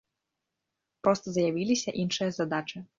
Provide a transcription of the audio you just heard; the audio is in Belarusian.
Проста з'явіліся іншыя задачы.